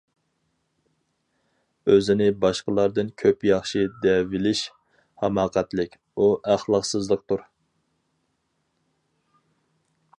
ئۆزىنى باشقىلاردىن كۆپ ياخشى دەۋېلىش، ھاماقەتلىك، ئۇ ئەخلاقسىزلىقتۇر.